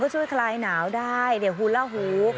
ก็ช่วยคลายหนาวได้เดี๋ยวฮูลล่าฮูป